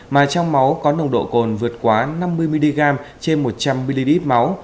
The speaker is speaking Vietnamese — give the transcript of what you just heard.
mà trong máu có nồng độ cồn vượt quá năm mươi mg trên một trăm linh ml máu